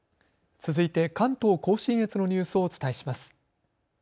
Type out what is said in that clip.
続いて関東甲信越のニュースをお伝えします。